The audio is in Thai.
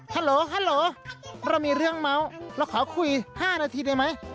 ฮัลโหลเรามีเรื่องเม้าแล้วขอคุย๕นาทีได้ไหม